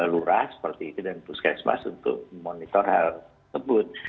lurah seperti itu dan puskesmas untuk memonitor hal tersebut